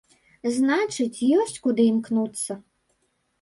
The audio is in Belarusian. Значыць, ёсць куды імкнуцца.